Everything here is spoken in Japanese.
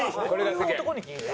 どういう男に聞いた？